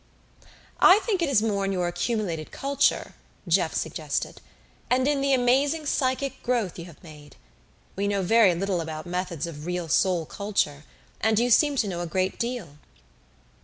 "I think it is more in your accumulated culture," Jeff suggested. "And in the amazing psychic growth you have made. We know very little about methods of real soul culture and you seem to know a great deal."